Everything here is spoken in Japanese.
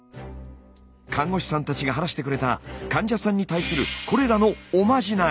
看護師さんたちが話してくれた患者さんに対するこれらの「おまじない」。